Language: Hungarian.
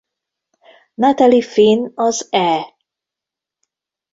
Natalie Finn az E!